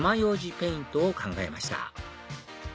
ペイントを考えました